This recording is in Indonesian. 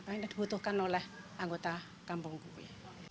apa yang dibutuhkan oleh anggota kampung kue